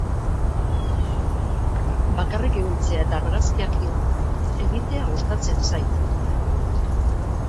Bakarrik ibiltzea eta argazkiak egitea gustatzen zait.